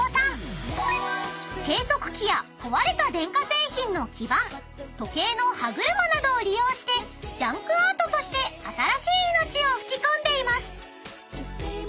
［計測器や壊れた電化製品の基板時計の歯車などを利用してジャンクアートとして新しい命を吹き込んでいます］